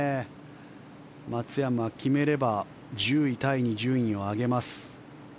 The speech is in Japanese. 松山、決めれば１０位タイに順位を上げます。